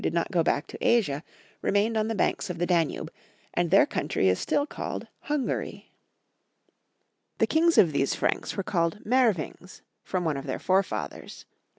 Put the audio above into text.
did not go back to Asia remained on the banks of the Danube, and their country is still called Hun gaxy The kings of these Franks were called Meer wings, from one of their forefathers.